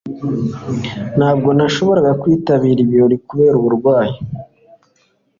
ntabwo nashoboraga kwitabira ibirori kubera uburwayi